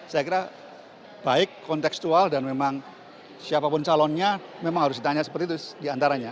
saya kira baik konteksual dan memang siapapun calonnya memang harus ditanya seperti itu diantaranya